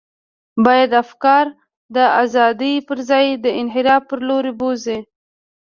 باید افکار د ازادۍ پر ځای د انحراف پر لور بوزي.